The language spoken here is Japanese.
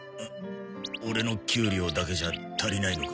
オレの給料だけじゃ足りないのか？